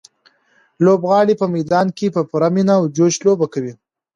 لوبغاړي په میدان کې په پوره مینه او جوش لوبه کوي.